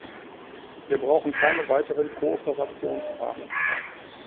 Wir brauchen keine weiteren Kooperationsrahmen.